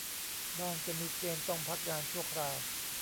บ้างจะมีเกณฑ์ต้องพักงานชั่วคราว